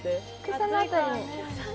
草の辺りに。